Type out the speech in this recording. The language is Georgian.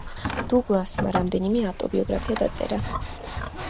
დუგლასმა რამდენიმე ავტობიოგრაფია დაწერა.